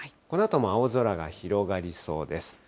このあとも青空が広がりそうです。